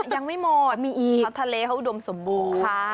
ยังไม่หมดมีอีกเพราะทะเลเขาอุดมสมบูรณ์ค่ะ